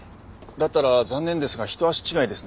だったら残念ですがひと足違いですね。